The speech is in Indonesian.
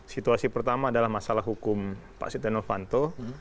situasi pertama adalah masalah hukum pak sidenovanto